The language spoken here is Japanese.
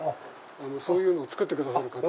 そういうのを作ってくださる方でして。